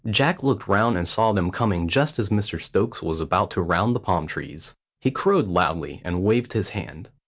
Jack looked round and saw them coming just as Mr Stokes was about to round the palm trees. He crowed loudly and waved his hand.